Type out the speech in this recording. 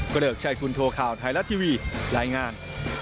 เกริกชัยคุณโทข่าวไทยรัฐทีวีรายงาน